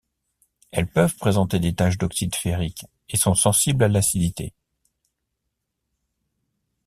Elles peuvent présenter des taches d'oxyde ferrique, et sont sensibles à l'acidité.